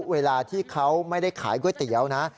เวลาที่เขาไม่ได้ขายก๋วยเตี๋ยวนะ